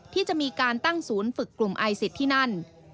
ที่จะมีการตั้งศูนย์ฝึกกลุ่มไอซิสที่นั่น